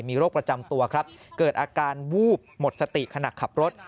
มีโรคประจำตัวครับเกิดอาการวูบหมดสติขณะขับรถ